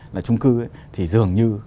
là trung cư thì dường như